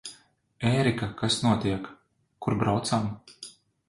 Ērika, kas notiek? Kur braucam?